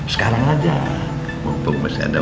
saya gak mau ke pedean bang